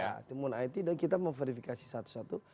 ya temuan it dan kita memverifikasi satu satu